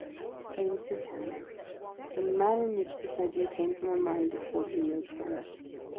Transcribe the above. Explain it who can: from the manner in which this idea came to my mind, it caused me no terror